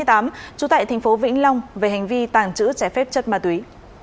trú tại tp vĩnh long về hành vi tàng trữ trẻ phép chất ma túy